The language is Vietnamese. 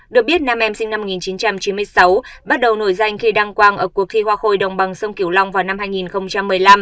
được biết nam em sinh năm một nghìn chín trăm chín mươi sáu bắt đầu nổi danh khi đăng quang ở cuộc thi hoa khôi đồng bằng sông kiểu long vào năm hai nghìn một mươi năm